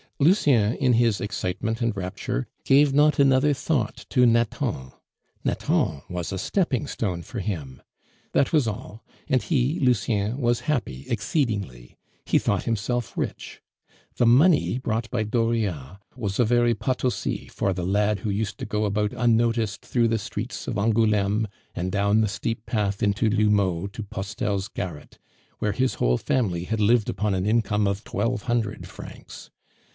Lucien, in his excitement and rapture, gave not another thought to Nathan. Nathan was a stepping stone for him that was all; and he (Lucien) was happy exceedingly he thought himself rich. The money brought by Dauriat was a very Potosi for the lad who used to go about unnoticed through the streets of Angouleme and down the steep path into L'Houmeau to Postel's garret, where his whole family had lived upon an income of twelve hundred francs.